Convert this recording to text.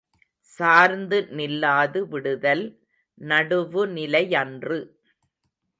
சார்ந்து நில்லாது விடுதல் நடுவுநிலையன்று.